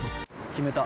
「決めた」